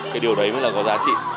cái điều đấy mới là có giá trị